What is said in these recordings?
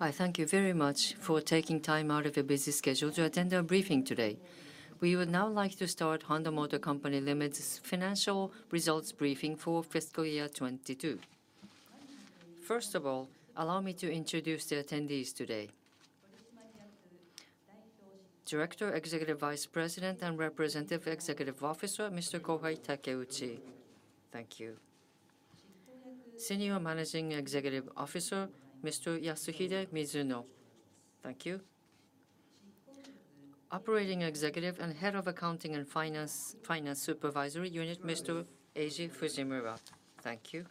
I thank you very much for taking time out of your busy schedule to attend our briefing today. We would now like to start Honda Motor Co., Ltd. Financial Results briefing for Fiscal Year 2022. First of all, allow me to introduce the attendees today. Director, Executive Vice President, and Representative Executive Officer, Mr. Kohei Takeuchi. Thank you. Senior Managing Executive Officer, Mr. Yasuhide Mizuno. Thank you. Operating Executive and Head of Accounting and Finance Supervisory Unit, Mr. Eiji Fujimura. Thank you.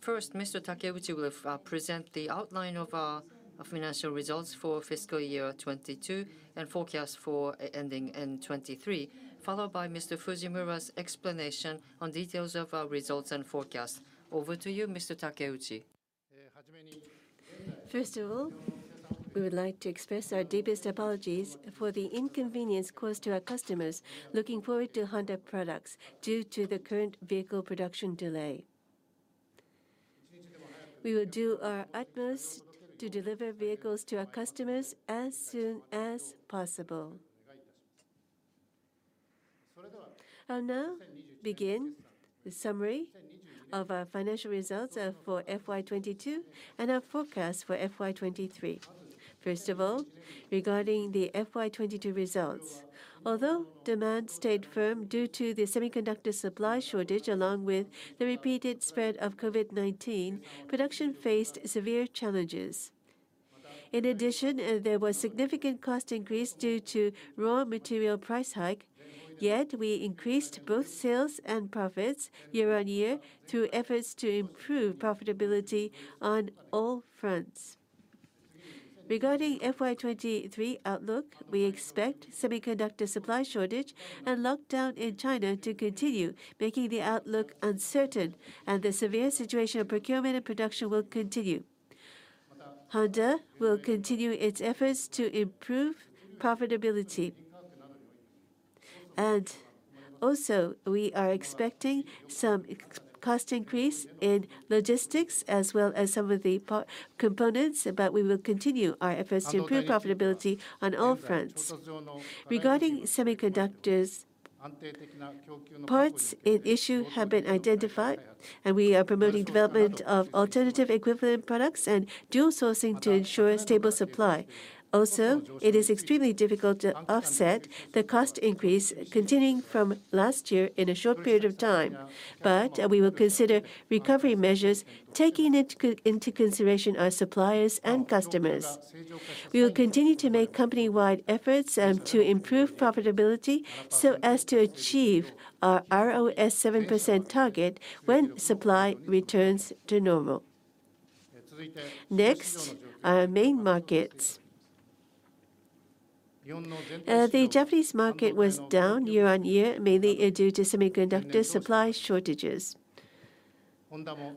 First, Mr. Takeuchi will present the outline of our financial results for fiscal year 2022 and forecast for ending 2023, followed by Mr. Fujimura's explanation on details of our results and forecast. Over to you, Mr. Takeuchi. First of all, we would like to express our deepest apologies for the inconvenience caused to our customers looking forward to Honda products due to the current vehicle production delay. We will do our utmost to deliver vehicles to our customers as soon as possible. I'll now begin the summary of our financial results for FY 2022 and our forecast for FY 2023. First of all, regarding the FY 2022 results. Although demand stayed firm due to the semiconductor supply shortage along with the repeated spread of COVID-19, production faced severe challenges. In addition, there was significant cost increase due to raw material price hike, yet we increased both sales and profits year-on-year through efforts to improve profitability on all fronts. Regarding FY 2023 outlook, we expect semiconductor supply shortage and lockdown in China to continue, making the outlook uncertain, and the severe situation of procurement and production will continue. Honda will continue its efforts to improve profitability. We are expecting some cost increase in logistics as well as some of the components, but we will continue our efforts to improve profitability on all fronts. Regarding semiconductors, parts in issue have been identified, and we are promoting development of alternative equivalent products and dual sourcing to ensure stable supply. Also, it is extremely difficult to offset the cost increase continuing from last year in a short period of time. We will consider recovery measures, taking into consideration our suppliers and customers. We will continue to make company-wide efforts to improve profitability, so as to achieve our ROS 7% target when supply returns to normal. Next, our main markets. The Japanese market was down year-on-year, mainly due to semiconductor supply shortages.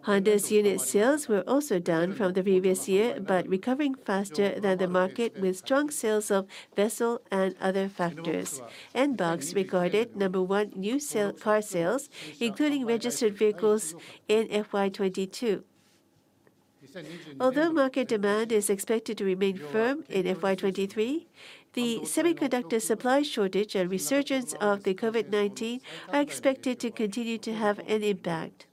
Honda's unit sales were also down from the previous year, but recovering faster than the market with strong sales of Vezel and other factors. N-BOX recorded number one new sale, car sales, including registered vehicles in FY 2022. Although market demand is expected to remain firm in FY 2023, the semiconductor supply shortage and resurgence of the COVID-19 are expected to continue to have an impact.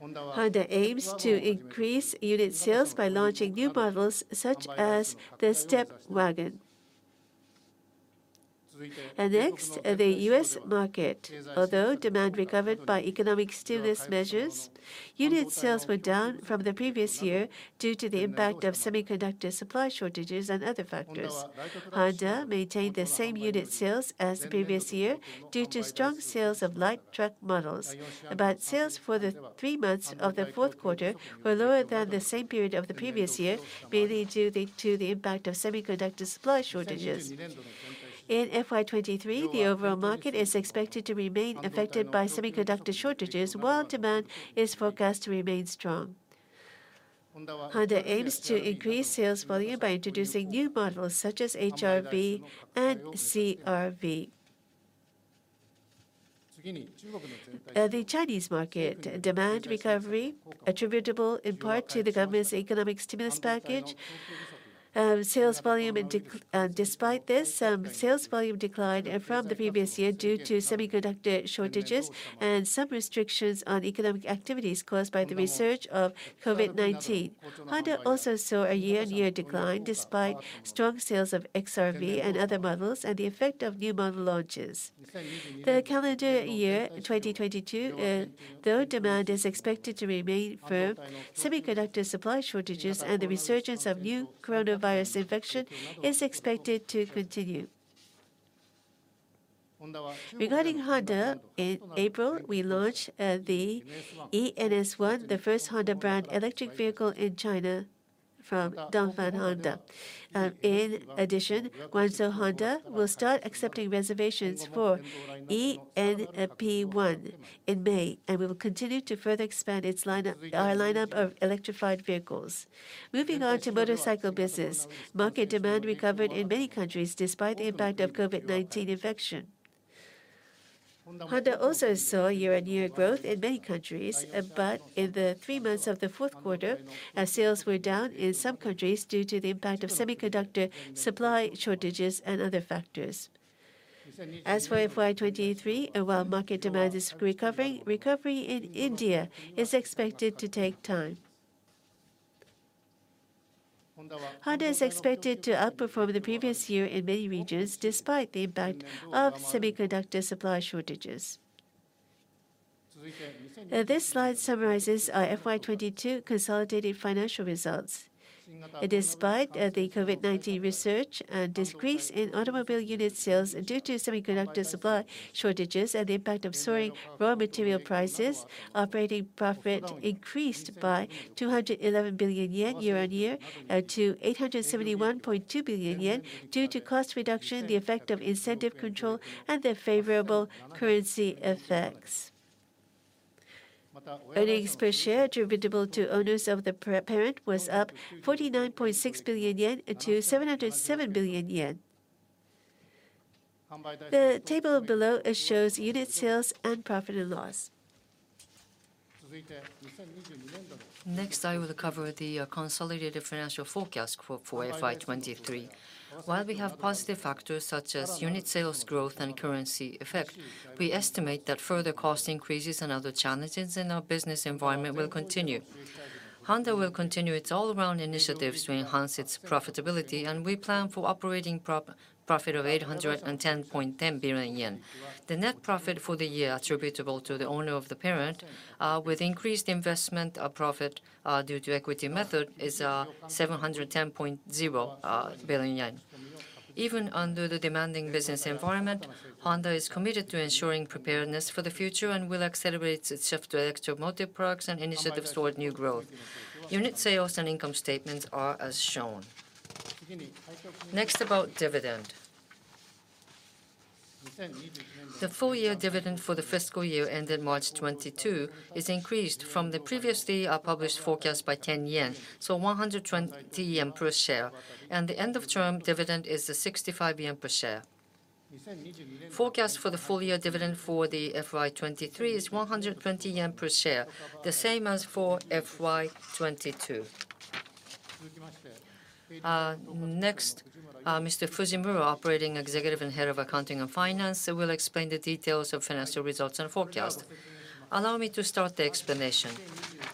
Honda aims to increase unit sales by launching new models such as the Step WGN. Next, the U.S. market. Although demand recovered by economic stimulus measures, unit sales were down from the previous year due to the impact of semiconductor supply shortages and other factors. Honda maintained the same unit sales as the previous year due to strong sales of light truck models. Sales for the three months of the fourth quarter were lower than the same period of the previous year, mainly due to the impact of semiconductor supply shortages. In FY 2023, the overall market is expected to remain affected by semiconductor shortages, while demand is forecast to remain strong. Honda aims to increase sales volume by introducing new models such as HR-V and CR-V. The Chinese market demand recovery attributable in part to the government's economic stimulus package. Sales volume despite this, sales volume declined from the previous year due to semiconductor shortages and some restrictions on economic activities caused by the resurgence of COVID-19. Honda also saw a year-on-year decline despite strong sales of XR-V and other models and the effect of new model launches. The calendar year 2022, though demand is expected to remain firm, semiconductor supply shortages and the resurgence of new coronavirus infection is expected to continue. Regarding Honda, in April, we launched the e:NS1, the first Honda brand electric vehicle in China from Dongfeng Honda. In addition, GAC Honda will start accepting reservations for e:NP1 in May and will continue to further expand its lineup, our lineup of electrified vehicles. Moving on to motorcycle business. Market demand recovered in many countries despite the impact of COVID-19 infection. Honda also saw year-on-year growth in many countries, but in the three months of the fourth quarter, our sales were down in some countries due to the impact of semiconductor supply shortages and other factors. As for FY 2023, while market demand is recovering, recovery in India is expected to take time. Honda is expected to outperform the previous year in many regions, despite the impact of semiconductor supply shortages. This slide summarizes our FY 2022 consolidated financial results. Despite the COVID-19 resurge and decrease in automobile unit sales due to semiconductor supply shortages and the impact of soaring raw material prices, operating profit increased by 211 billion yen year-on-year to 871.2 billion yen due to cost reduction, the effect of incentive control, and the favorable currency effects. Profit attributable to owners of the parent was up 49.6 billion-707 billion yen. The table below shows unit sales and profit and loss. Next, I will cover the consolidated financial forecast for FY 2023. While we have positive factors such as unit sales growth and currency effect, we estimate that further cost increases and other challenges in our business environment will continue. Honda will continue its all-around initiatives to enhance its profitability, and we plan for operating profit of 810.1 billion yen. The net profit for the year attributable to the owner of the parent with increased investment profit due to equity method is 710.0 billion yen. Even under the demanding business environment, Honda is committed to ensuring preparedness for the future and will accelerate its shift to electromotive products and initiatives toward new growth. Unit sales and income statements are as shown. Next, about dividend. The full-year dividend for the fiscal year ended March 2022 is increased from the previously published forecast by 10 yen, so 120 yen per share. The end of term dividend is 65 yen per share. Forecast for the full-year dividend for the FY 2023 is 120 yen per share, the same as for FY 2022. Next, Mr. Eiji Fujimura, Operating Executive and Head of Accounting and Finance, will explain the details of financial results and forecast. Allow me to start the explanation.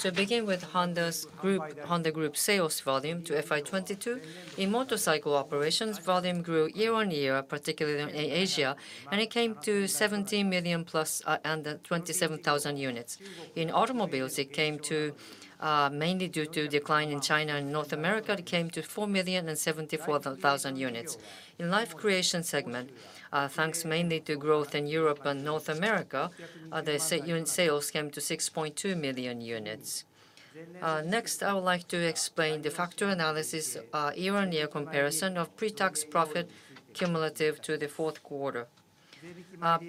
To begin with, Honda Group sales volume to FY 2022, in motorcycle operations, volume grew year-on-year, particularly in Asia, and it came to 17 million+ 27,000 units. In automobiles, mainly due to decline in China and North America, it came to 4 million and 74,000 units. In Life Creation segment, thanks mainly to growth in Europe and North America, the sales units came to 6.2 million units. Next, I would like to explain the factor analysis year-on-year comparison of pre-tax profit cumulative to the fourth quarter.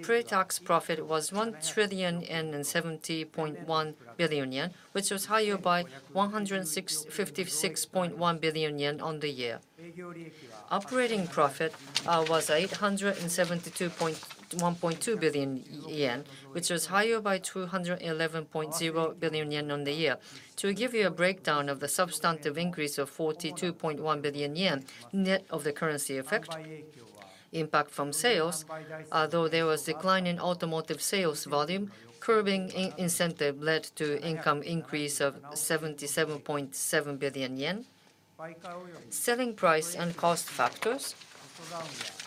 Pre-tax profit was 1,070.1 billion yen, which was higher by 56.1 billion yen on the year. Operating profit was 872.1 billion yen, which was higher by 211.0 billion yen on the year. To give you a breakdown of the substantive increase of 42.1 billion yen, net of the currency effect, impact from sales, although there was decline in automotive sales volume, curbing incentive led to income increase of 77.7 billion yen. Selling price and cost factors.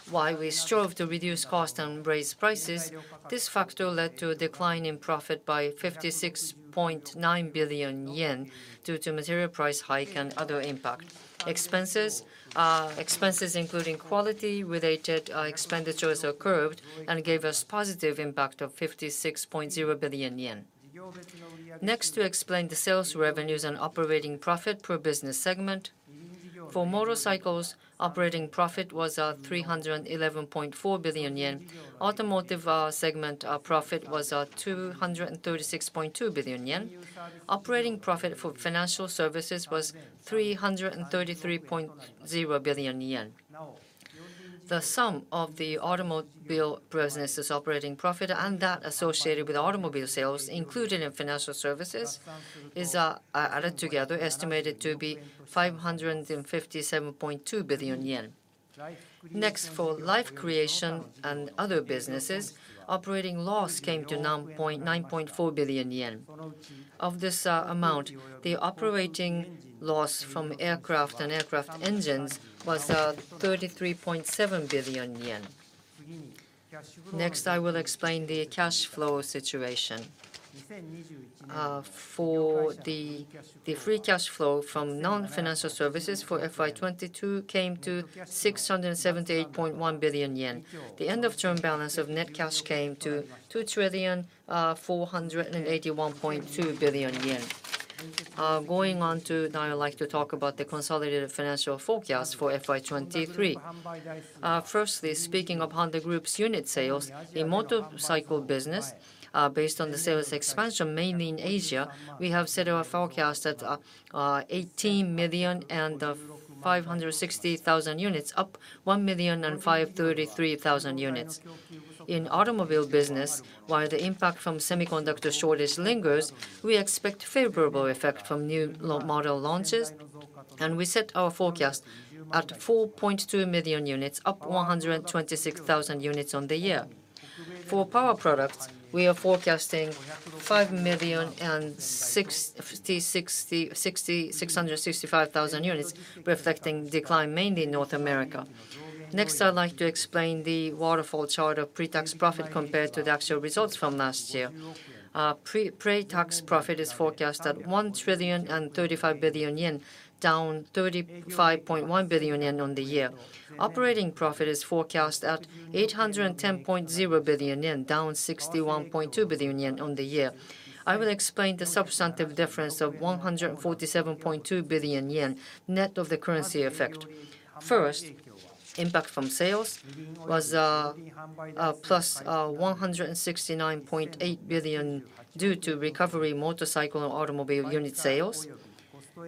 While we strove to reduce cost and raise prices, this factor led to a decline in profit by 56.9 billion yen due to material price hike and other impact. Expenses. Expenses including quality-related expenditures occurred and gave us positive impact of 56.0 billion yen. Next, to explain the sales revenues and operating profit per business segment. For motorcycles, operating profit was 311.4 billion yen. Automotive segment profit was 236.2 billion yen. Operating profit for financial services was 333.0 billion yen. The sum of the automobile business' operating profit and that associated with automobile sales included in financial services is added together, estimated to be 557.2 billion yen. Next, for Life Creation and other businesses, operating loss came to 9.4 billion yen. Of this amount, the operating loss from aircraft and aircraft engines was 33.7 billion yen. Next, I will explain the cash flow situation. For the free cash flow from non-financial services for FY 2022 came to 678.1 billion yen. The end of term balance of net cash came to 2,481.2 billion yen. Now I'd like to talk about the consolidated financial forecast for FY 2023. Firstly, speaking of Honda Group's unit sales, in motorcycle business, based on the sales expansion, mainly in Asia, we have set our forecast at 18,560,000 units, up 1,533,000 units. In automobile business, while the impact from semiconductor shortage lingers, we expect favorable effect from new model launches, and we set our forecast at 4.2 million units, up 126,000 units on the year. For power products, we are forecasting 5,665,000 units, reflecting decline mainly in North America. Next, I'd like to explain the waterfall chart of pre-tax profit compared to the actual results from last year. Pre-tax profit is forecast at 1,035 billion yen, down 35.1 billion yen on the year. Operating profit is forecast at 810.0 billion yen, down 61.2 billion yen on the year. I will explain the substantive difference of 147.2 billion yen, net of the currency effect. First, impact from sales was +169.8 billion due to recovery in motorcycle and automobile unit sales.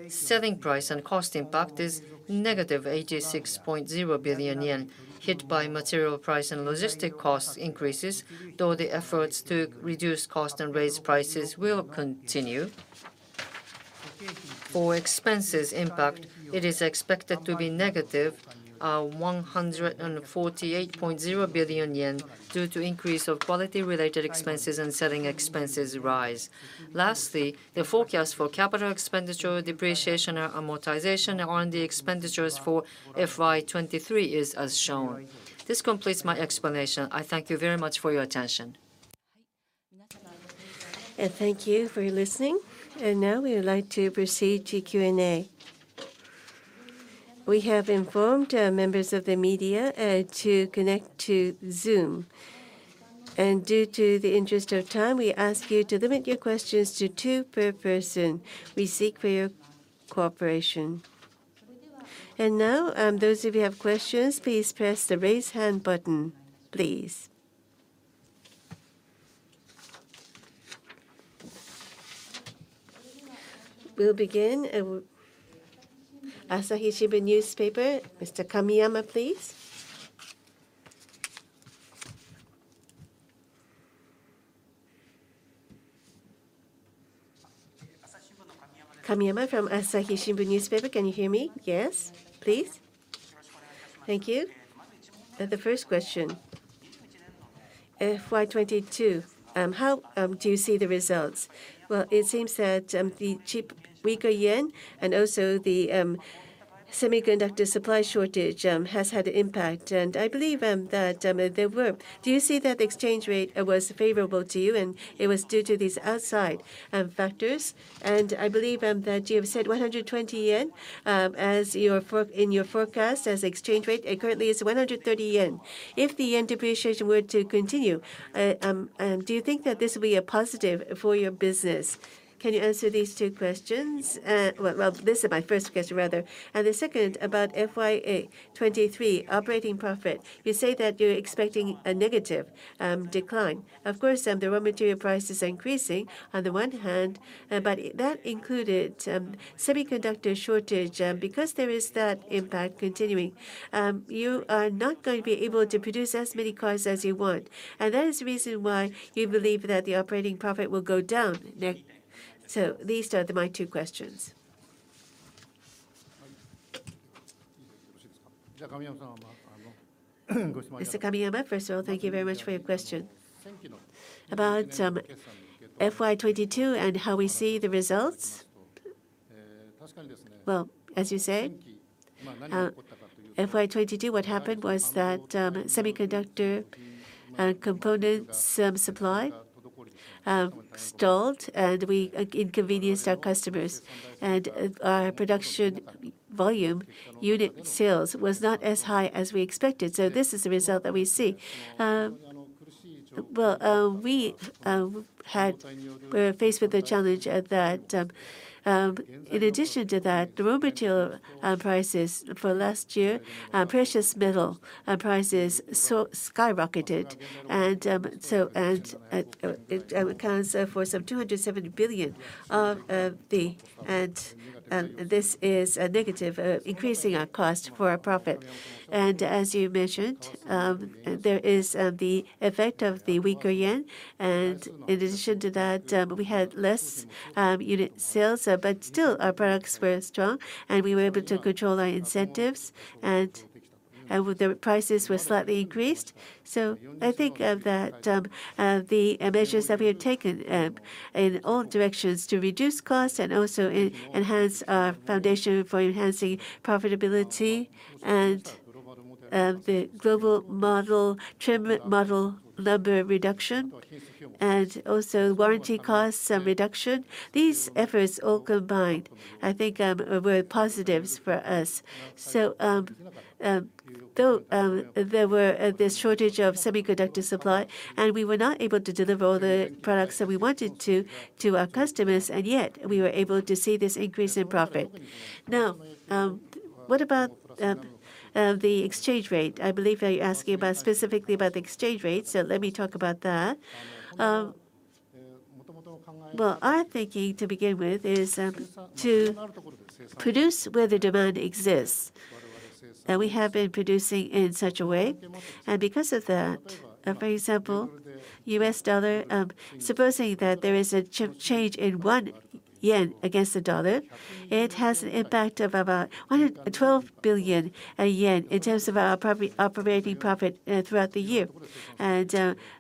Selling price and cost impact is negative 86.0 billion yen, hit by material price and logistic cost increases, though the efforts to reduce cost and raise prices will continue. For expenses impact, it is expected to be negative 148.0 billion yen due to increase of quality-related expenses and selling expenses rise. Lastly, the forecast for capital expenditure, depreciation, and amortization on the expenditures for FY 2023 is as shown. This completes my explanation. I thank you very much for your attention. Thank you for listening. Now we would like to proceed to Q&A. We have informed members of the media to connect to Zoom. In the interest of time, we ask you to limit your questions to two per person. We seek for your cooperation. Now, those of you who have questions, please press the Raise Hand button, please. We'll begin. The Asahi Shimbun, Mr. Kamiyama, please. Kamiyama from The Asahi Shimbun. Can you hear me? Yes. Please. Thank you. The first question. FY 2022, how do you see the results? Well, it seems that the cheaper, weaker yen and also the semiconductor supply shortage has had an impact. Do you see that the exchange rate was favorable to you, and it was due to these outside factors? I believe that you have said 120 yen as your forecast as exchange rate. It currently is 130 yen. If the yen depreciation were to continue, do you think that this will be a positive for your business? Can you answer these two questions? Well, this is my first question, rather. The second, about FY 2023 operating profit. You say that you're expecting a negative decline. Of course, the raw material prices are increasing on the one hand, but that included semiconductor shortage. Because there is that impact continuing, you are not going to be able to produce as many cars as you want. That is the reason why you believe that the operating profit will go down. These are my two questions. Mr. Kamiyama, first of all, thank you very much for your question. About FY 2022 and how we see the results, well, as you said, FY 2022, what happened was that, semiconductor components supply stalled, and we inconvenienced our customers. Our production volume unit sales was not as high as we expected, so this is the result that we see. Well, we're faced with the challenge at that, in addition to that, the raw material prices for last year, precious metal prices skyrocketed. It accounts for some 270 billion of the negative increasing our cost for our profit. As you mentioned, there is the effect of the weaker yen. In addition to that, we had less unit sales, but still our products were strong, and we were able to control our incentives, and the prices were slightly increased. I think that the measures that we have taken in all directions to reduce costs and also enhance our foundation for enhancing profitability and the global model, trim model number reduction and also warranty costs reduction, these efforts all combined, I think, were positives for us. Though there were this shortage of semiconductor supply, and we were not able to deliver all the products that we wanted to to our customers, and yet we were able to see this increase in profit. Now what about the exchange rate? I believe that you're asking about, specifically about the exchange rate, so let me talk about that. Well, our thinking to begin with is to produce where the demand exists. We have been producing in such a way. Because of that, for example, U.S. dollar, supposing that there is a change in one yen against the dollar, it has an impact of about 12 billion yen in terms of our operating profit throughout the year.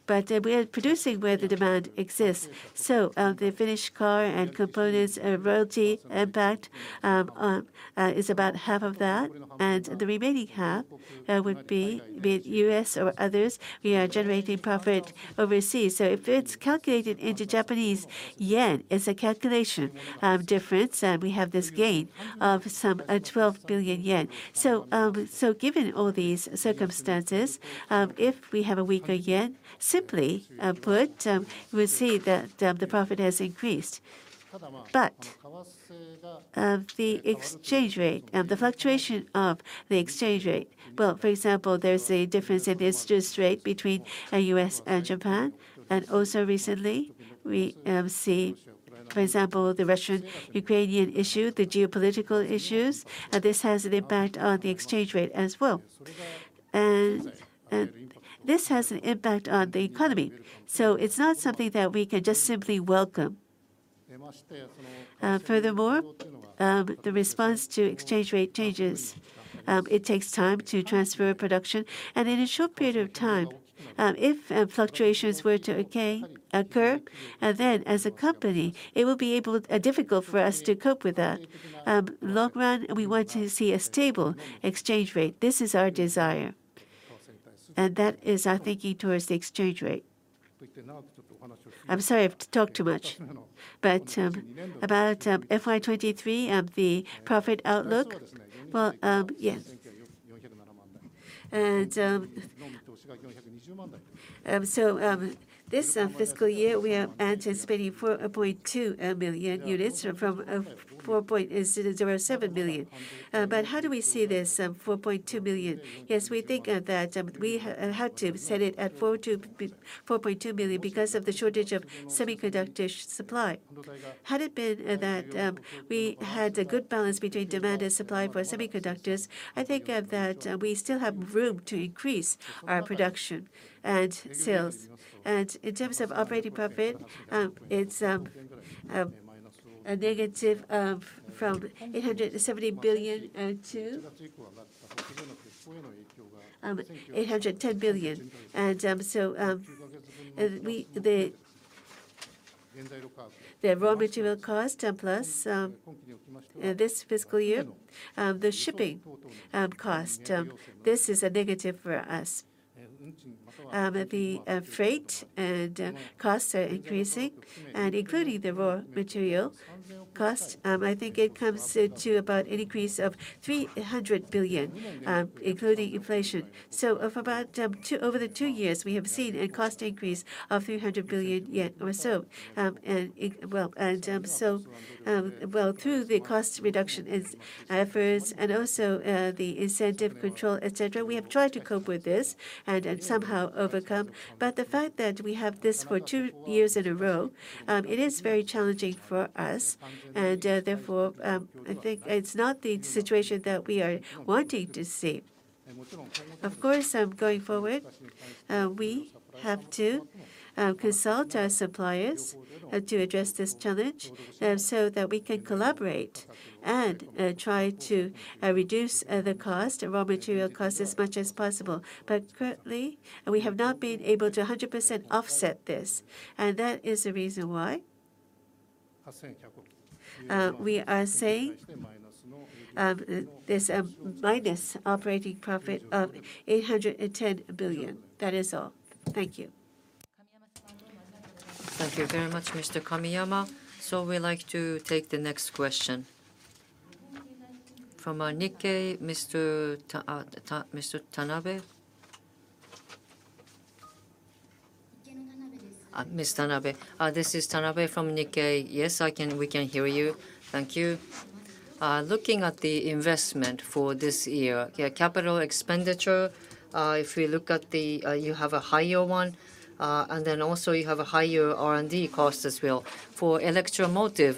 But we are producing where the demand exists. The finished car and components and royalty impact is about half of that, and the remaining half would be it U.S. or others, we are generating profit overseas. If it's calculated into Japanese yen, as a calculation, difference, we have this gain of some 12 billion yen. Given all these circumstances, if we have a weaker yen, simply put, we'll see that the profit has increased. The exchange rate, the fluctuation of the exchange rate. Well, for example, there's a difference in the interest rate between U.S. and Japan. Also recently, we see, for example, the Russian-Ukrainian issue, the geopolitical issues, and this has an impact on the exchange rate as well. This has an impact on the economy. It's not something that we can just simply welcome. Furthermore, the response to exchange rate changes, it takes time to transfer production. In a short period of time, if fluctuations were to occur, then as a company, it will be difficult for us to cope with that. Long run, we want to see a stable exchange rate. This is our desire. That is our thinking toward the exchange rate. I'm sorry, I've talked too much. About FY 2023, the profit outlook, yes. This fiscal year, we are anticipating 4.2 million units from 4.07 million. How do we see this 4.2 million? Yes, we think that we had to set it at 4.2 million because of the shortage of semiconductor supply. Had it been that we had a good balance between demand and supply for semiconductors, I think that we still have room to increase our production and sales. In terms of operating profit, it's a negative from 870 billion to 810 billion. The raw material cost, and plus this fiscal year, the shipping cost. This is a negative for us. The freight and costs are increasing, and including the raw material cost, I think it comes to about an increase of 300 billion, including inflation. Over the two years, we have seen a cost increase of 300 billion yen or so. Well, through the cost reduction first, and also the incentive control, et cetera, we have tried to cope with this and somehow overcome. The fact that we have this for two years in a row, it is very challenging for us. Therefore, I think it's not the situation that we are wanting to see. Of course, going forward, we have to consult our suppliers to address this challenge, so that we can collaborate and try to reduce the cost, raw material cost, as much as possible. Currently, we have not been able to 100% offset this, and that is the reason why we are saying this minus operating profit of 810 billion. That is all. Thank you. Thank you very much, Mr. Kamiyama. We'd like to take the next question. From Nikkei, Mr. Tanabe. Ms. Tanabe. This is Tanabe from Nikkei. Yes, I can. We can hear you. Thank you. Looking at the investment for this year, yeah, capital expenditure, if we look at the, you have a higher one, and then also you have a higher R&D cost as well. For electromotive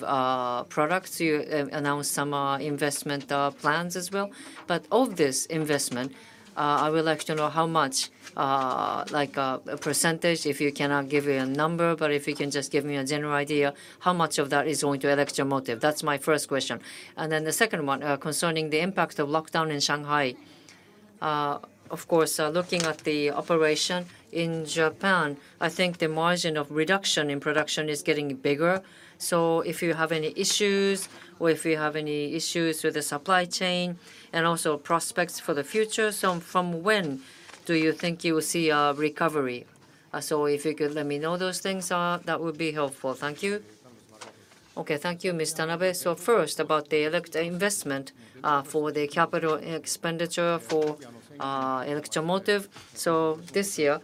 products, you announced some investment plans as well. But of this investment, I would like to know how much, like a percentage, if you cannot give me a number, but if you can just give me a general idea, how much of that is going to electromotive? That's my first question. The second one, concerning the impact of lockdown in Shanghai. Of course, looking at the operation in Japan, I think the margin of reduction in production is getting bigger. If you have any issues with the supply chain, and also prospects for the future. From when do you think you will see a recovery? If you could let me know those things, that would be helpful. Thank you. Okay, thank you, Ms. Tanabe. First, about the investment for the capital expenditure for electrification. This year,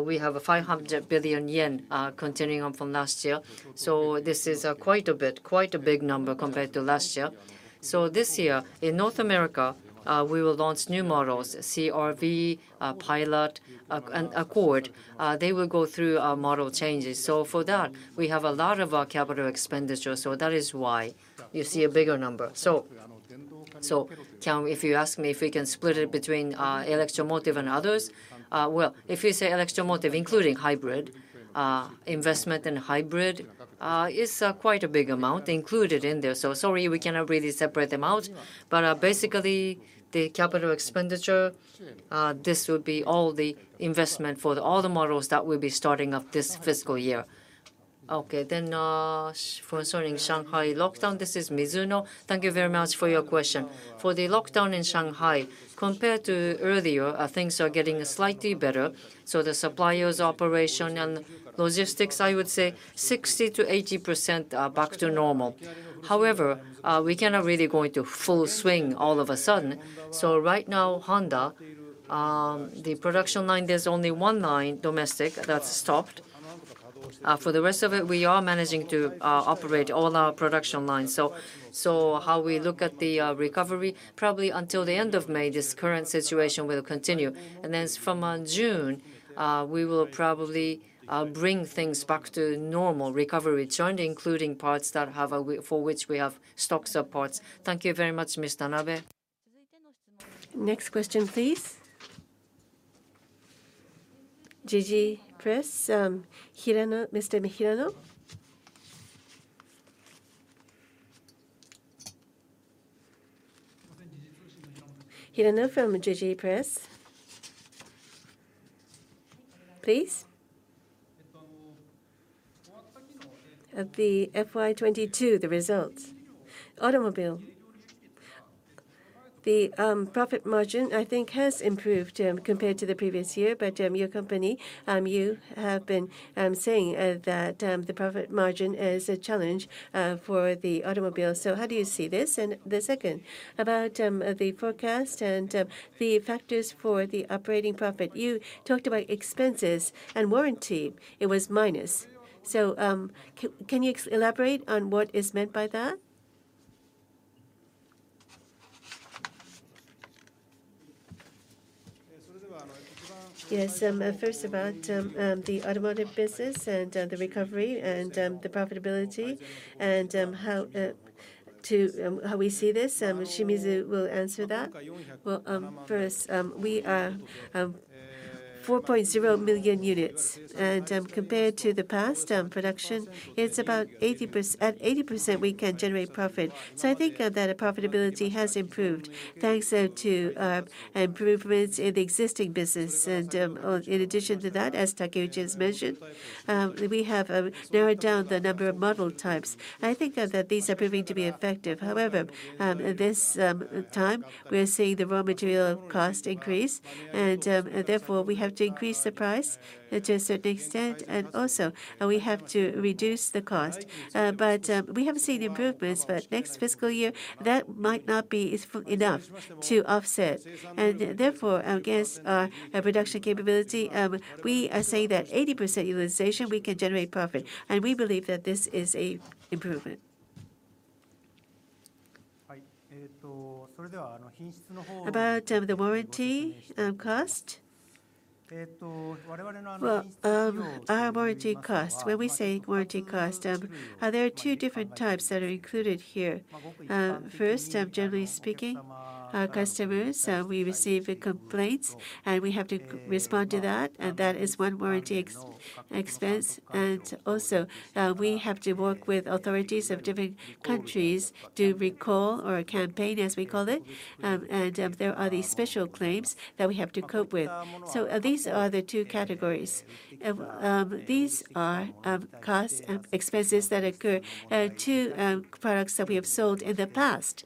we have 500 billion yen continuing on from last year. This is quite a bit, quite a big number compared to last year. This year, in North America, we will launch new models, CR-V, Pilot, and Accord. They will go through model changes. For that, we have a lot of capital expenditure, so that is why you see a bigger number. If you ask me if we can split it between electromotive and others. Well, if you say electromotive including hybrid, investment in hybrid, it's quite a big amount included in there. Sorry, we cannot really separate them out. Basically, the capital expenditure, this will be all the investment for all the models that we'll be starting up this fiscal year. Concerning Shanghai lockdown. This is Mizuno. Thank you very much for your question. For the lockdown in Shanghai, compared to earlier, things are getting slightly better, so the suppliers' operation and logistics, I would say 60%-80% back to normal. However, we cannot really go into full swing all of a sudden. Right now, Honda, the production line, there's only one line, domestic, that's stopped. For the rest of it, we are managing to operate all our production lines. How we look at the recovery, probably until the end of May, this current situation will continue. Then from June, we will probably bring things back to normal recovery trend, including parts for which we have stocks of parts. Thank you very much, Mr. Tanabe. Next question, please. Jiji Press, Hirano. Mr. Hirano. Hirano from Jiji Press. Please. For the FY 2022, the results. Automobile, the profit margin I think has improved compared to the previous year. Your company, you have been saying that the profit margin is a challenge for the automobiles. How do you see this? The second, about the forecast and the factors for the operating profit. You talked about expenses and warranty. It was minus. Can you elaborate on what is meant by that? Yes. First, about the automotive business and the recovery and the profitability and how we see this, Mizuno will answer that. Well, first, we are 4.0 million units. Compared to the past production, it's about 80%. At 80% we can generate profit. I think that profitability has improved thanks to improvements in the existing business. In addition to that, as Takeuchi just mentioned, we have narrowed down the number of model types. I think that these are proving to be effective. However, at this time, we're seeing the raw material cost increase and, therefore, we have to increase the price to a certain extent, and also, we have to reduce the cost. We have seen improvements, but next fiscal year, that might not be enough to offset. Therefore, against our production capability, we are saying that 80% utilization, we can generate profit. We believe that this is an improvement. About the warranty cost. Well, our warranty cost. When we say warranty cost, there are two different types that are included here. First, generally speaking, our customers, we receive complaints and we have to respond to that, and that is one warranty expense. Also, we have to work with authorities of different countries to recall or campaign, as we call it. There are these special claims that we have to cope with. These are the two categories. These are costs, expenses that occur to products that we have sold in the past.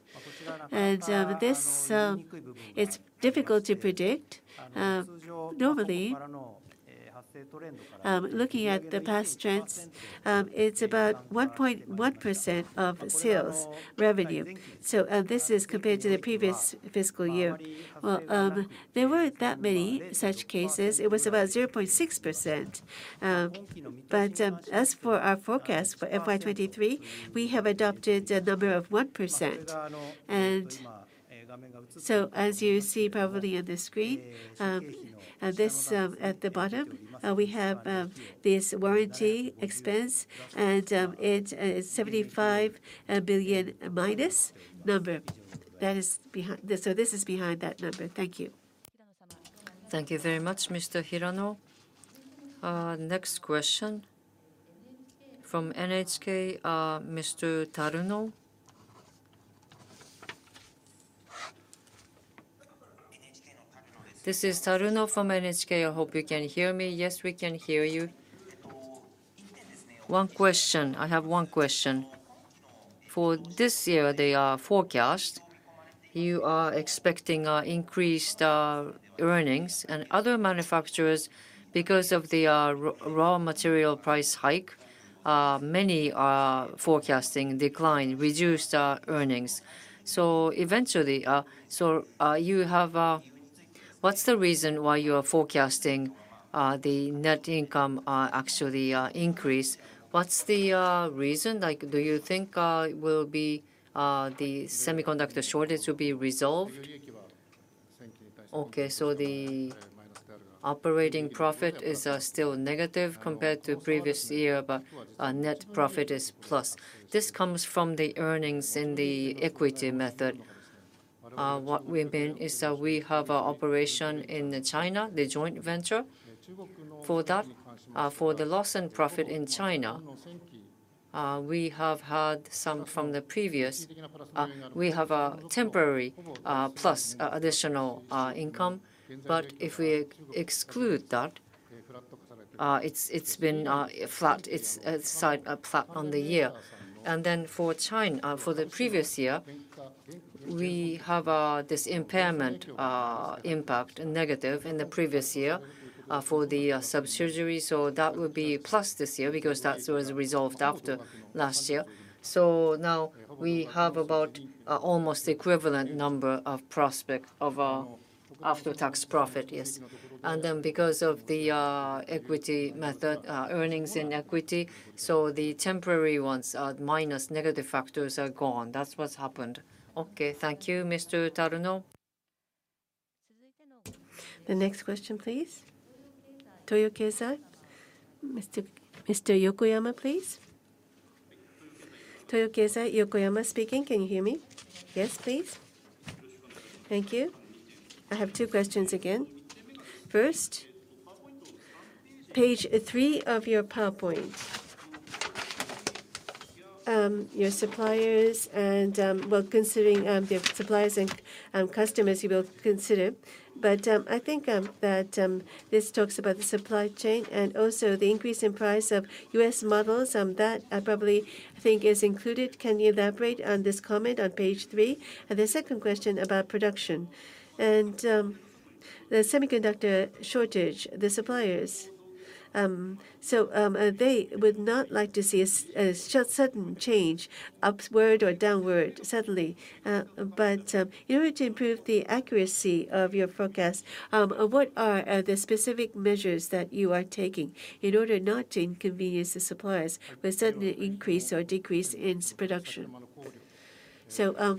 This, it's difficult to predict. Normally, looking at the past trends, it's about 1.1% of sales revenue. This is compared to the previous fiscal year. There weren't that many such cases. It was about 0.6%. As for our forecast for FY 2023, we have adopted a number of 1%. As you see probably on the screen, this, at the bottom, we have this warranty expense, and it's -75 billion. That is behind that number. Thank you. Thank you very much, Mr. Hirano. Next question from NHK, Mr. Taruno. This is Taruno from NHK. I hope you can hear me. Yes, we can hear you. One question. I have one question. For this year, the forecast you are expecting increased earnings. Other manufacturers, because of the raw material price hike, many are forecasting decline, reduced earnings. What's the reason why you are forecasting the net income actually increase? What's the reason? Like, do you think the semiconductor shortage will be resolved? Okay. The operating profit is still negative compared to previous year, but net profit is plus. This comes from the earnings in the equity method. What we've seen is that we have our operation in China, the joint venture. For that, for the profit and loss in China, we have a temporary plus additional income. If we exclude that, it's been flat. It's flat on the year. For China, in the previous year, we have this impairment impact negative for the subsidiaries, so that would be plus this year because that was resolved after last year. Now we have about almost equivalent number of prospects of after-tax profit. Yes. Because of the equity method earnings, the temporary ones and negative factors are gone. That's what's happened. Okay, thank you. Mr. Taruno. The next question, please. Toyo Keizai. Mr. Yokoyama, please. Toyo Keizai, Yokoyama speaking. Can you hear me? Yes, please. Thank you. I have two questions again. First, page three of your PowerPoint. Your suppliers and, well, considering the suppliers and customers you will consider, but I think that this talks about the supply chain and also the increase in price of U.S. models that I probably think is included. Can you elaborate on this comment on page three? The second question about production and the semiconductor shortage, the suppliers. They would not like to see a sudden change upward or downward suddenly. In order to improve the accuracy of your forecast, what are the specific measures that you are taking in order not to inconvenience the suppliers with a sudden increase or decrease in production?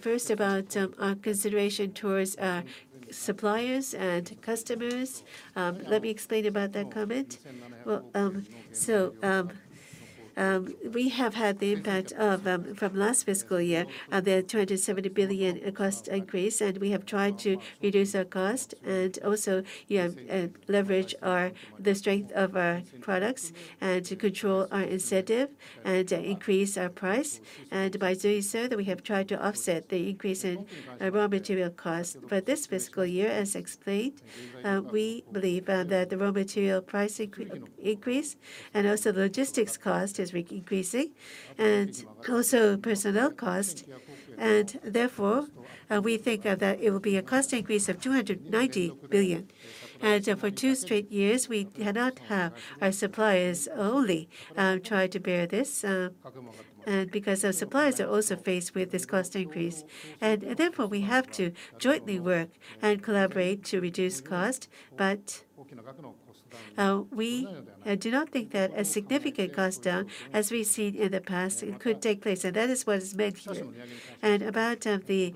First about our consideration towards our suppliers and customers, let me explain about that comment. Well, so, we have had the impact of from last fiscal year, the 270 billion cost increase, and we have tried to reduce our cost and also leverage our the strength of our products and to control our incentive and increase our price. By doing so, that we have tried to offset the increase in raw material costs. For this fiscal year, as explained, we believe that the raw material price increase and also the logistics cost is increasing and also personnel cost. Therefore, we think that it will be a cost increase of 290 billion. For two straight years, we cannot have our suppliers only try to bear this, and because our suppliers are also faced with this cost increase. Therefore, we have to jointly work and collaborate to reduce cost. We do not think that a significant cost down, as we've seen in the past, it could take place, and that is what is meant here. About the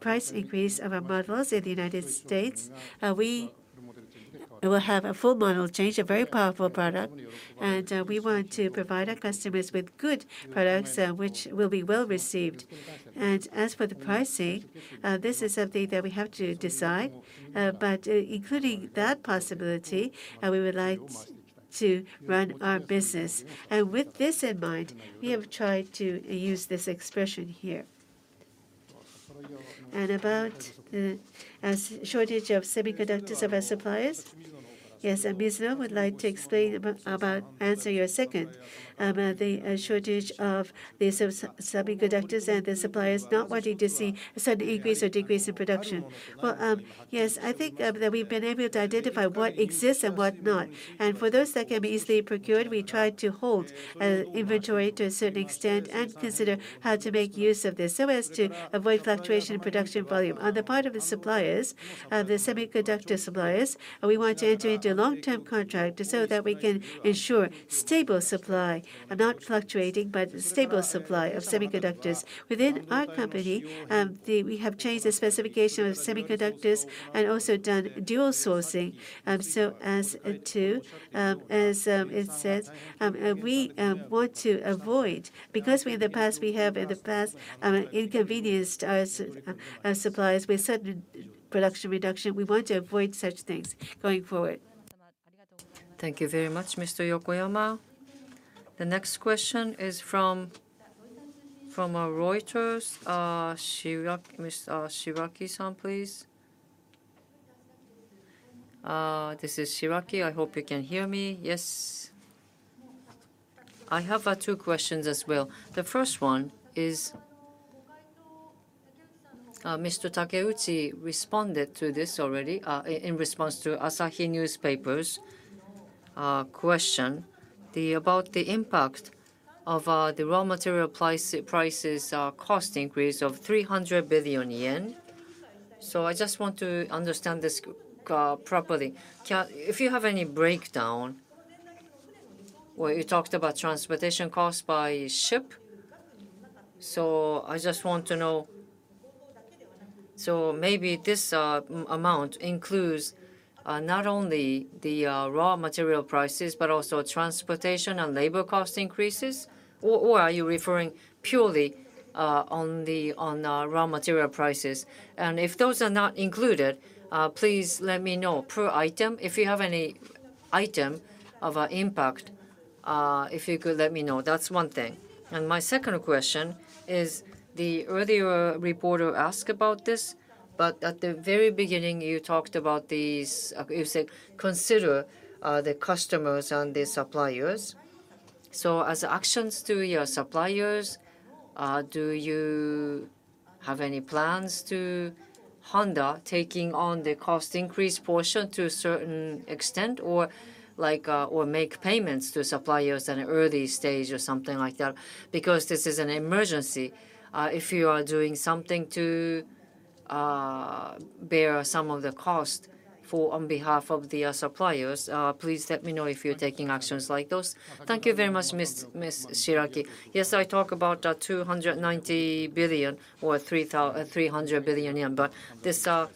price increase of our models in the United States, we will have a full model change, a very powerful product, and we want to provide our customers with good products, which will be well-received. As for the pricing, this is something that we have to decide, but including that possibility, we would like to run our business. With this in mind, we have tried to use this expression here. About the shortage of semiconductors of our suppliers. Yes, Mizuno would like to explain about the shortage of the semiconductors and the suppliers not wanting to see a sudden increase or decrease in production. Well, yes, I think that we've been able to identify what exists and what not. For those that can be easily procured, we try to hold inventory to a certain extent and consider how to make use of this so as to avoid fluctuation in production volume. On the part of the suppliers, the semiconductor suppliers, we want to enter into a long-term contract so that we can ensure stable supply, and not fluctuating, but stable supply of semiconductors. Within our company, we have changed the specification of semiconductors and also done dual sourcing, so as to as it says we want to avoid. Because we have in the past inconvenienced our suppliers with sudden production reduction, we want to avoid such things going forward. Thank you very much, Mr. Yokoyama. The next question is from Reuters. Shiraki, Mr. Shiraki San, please. This is Shiraki. I hope you can hear me. Yes. I have two questions as well. The first one is, Mr. Kohei Takeuchi responded to this already, in response to Asahi Shimbun's question. About the impact of the raw material prices cost increase of 300 billion yen. I just want to understand this properly. Well, you talked about transportation costs by ship. I just want to know, so maybe this amount includes not only the raw material prices, but also transportation and labor cost increases? Or are you referring purely on the raw material prices? And if those are not included, please let me know per item. If you have any item of impact, if you could let me know. That's one thing. My second question is the earlier reporter asked about this, but at the very beginning, you talked about these, you said, "Consider the customers and the suppliers." So as actions to your suppliers, do you have any plans to Honda taking on the cost increase portion to a certain extent or like, or make payments to suppliers in early stage or something like that? Because this is an emergency. If you are doing something to bear some of the cost for, on behalf of the suppliers, please let me know if you're taking actions like those. Thank you very much, Ms. Shiraki. Yes, I talk about 290 billion or 300 billion yen, but this, the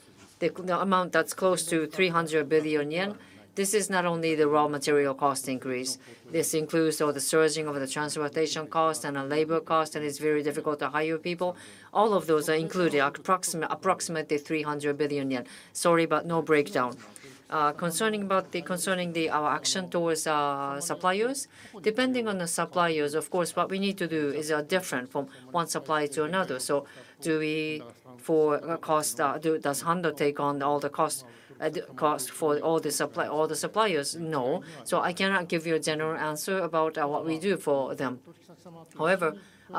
amount that's close to 300 billion yen, this is not only the raw material cost increase. This includes all the surging of the transportation cost and the labor cost, and it's very difficult to hire people. All of those are included, approximately 300 billion yen. Sorry, but no breakdown. Concerning the our action towards suppliers, depending on the suppliers, of course, what we need to do is different from one supplier to another. Does Honda take on all the cost for all the suppliers? No. I cannot give you a general answer about what we do for them. However,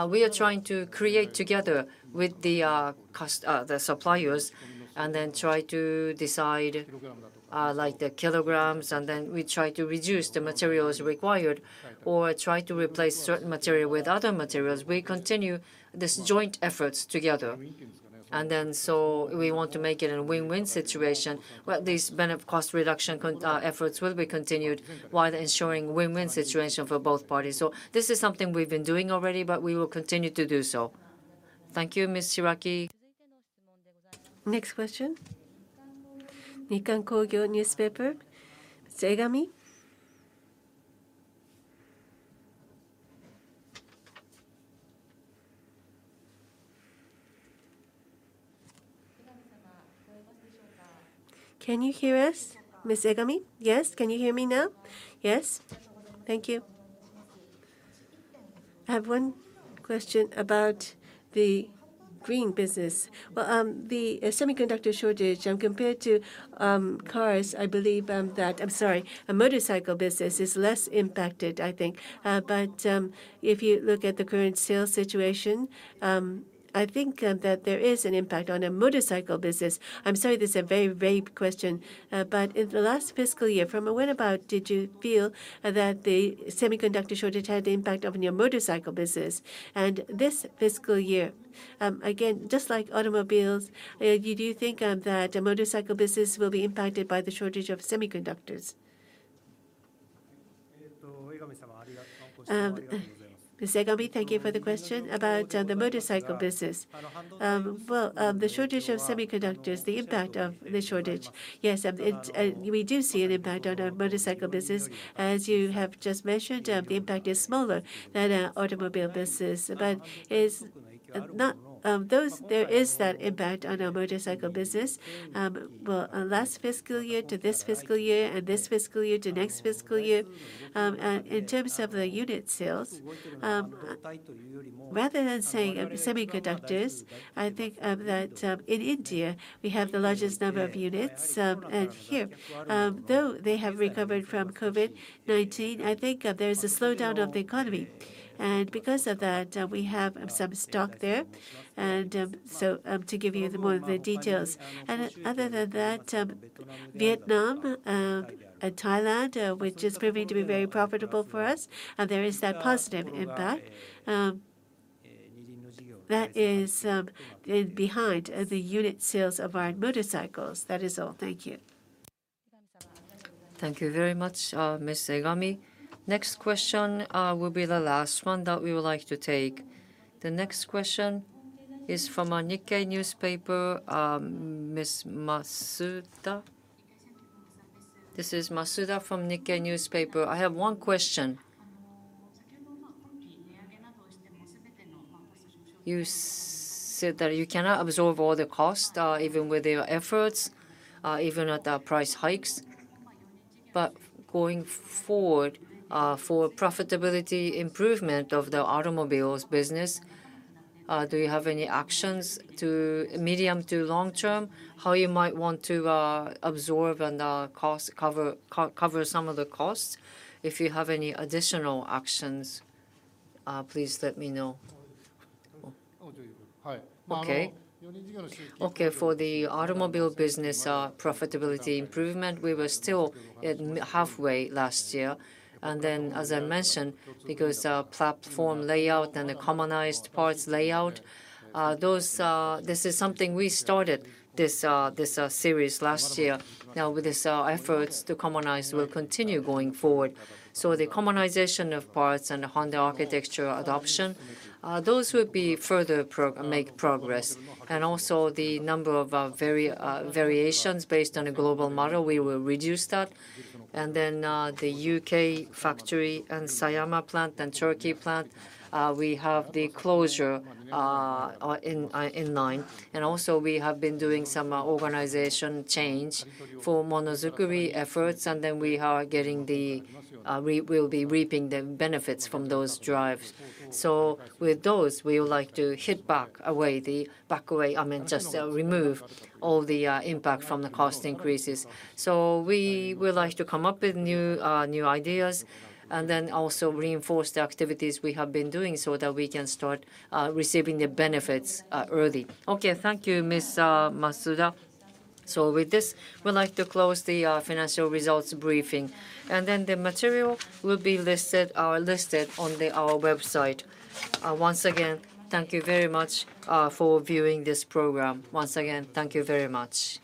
we are trying to create together with the cost the suppliers, and then try to decide like the kilograms, and then we try to reduce the materials required or try to replace certain material with other materials. We continue this joint efforts together. We want to make it a win-win situation. Well, these cost reduction efforts will be continued while ensuring win-win situation for both parties. This is something we've been doing already, but we will continue to do so. Thank you, Mr. Shiraki. Next question. Nikkan Kogyo Shimbun, Ms. Egami. Can you hear us, Ms. Egami? Yes. Can you hear me now? Yes. Thank you. I have one question about the green business. Well, the semiconductor shortage, compared to cars, I believe that I'm sorry, a motorcycle business is less impacted, I think. If you look at the current sales situation, I think that there is an impact on a motorcycle business. I'm sorry, this is a very vague question. In the last fiscal year, from about when did you feel that the semiconductor shortage had the impact on your motorcycle business? This fiscal year, again, just like automobiles, you do think that a motorcycle business will be impacted by the shortage of semiconductors? Ms. Egami, thank you for the question about the motorcycle business. The shortage of semiconductors, the impact of the shortage, yes, we do see an impact on our motorcycle business. As you have just mentioned, the impact is smaller than automobile business. There is that impact on our motorcycle business. Well, last fiscal year to this fiscal year and this fiscal year to next fiscal year, in terms of the unit sales, rather than saying semiconductors, I think that in India, we have the largest number of units, and here. Though they have recovered from COVID-19, I think there is a slowdown of the economy. Because of that, we have some stock there. So, to give you more details. Other than that, Vietnam and Thailand, which is proving to be very profitable for us, there is that positive impact that is behind the unit sales of our motorcycles. That is all. Thank you. Thank you very much, Ms. Egami. Next question, will be the last one that we would like to take. The next question is from, Nikkei, Ms. Masuda. This is Masuda from Nikkei. I have one question. You said that you cannot absorb all the cost, even with your efforts, even at the price hikes. Going forward, for profitability improvement of the automobile business, do you have any actions to medium- to long-term, how you might want to absorb and cover some of the costs? If you have any additional actions, please let me know. Okay. Okay, for the automobile business profitability improvement, we were still halfway last year. As I mentioned, because platform layout and the commonized parts layout, those. This is something we started this series last year. Now with this, efforts to commonize will continue going forward. The commonization of parts and the Honda Architecture adoption, those will make further progress. Also the number of variations based on a global model, we will reduce that. Then, the U.K. factory and Sayama plant and Turkey plant, we have the closure in line. Also we have been doing some organizational change for Monozukuri efforts, we will be reaping the benefits from those drives. With those, we would like to, I mean, just remove all the impact from the cost increases. We would like to come up with new ideas and then also reinforce the activities we have been doing so that we can start receiving the benefits early. Okay. Thank you, Ms. Masuda. With this, we'd like to close the financial results briefing. Then the material will be listed on our website. Once again, thank you very much for viewing this program. Once again, thank you very much.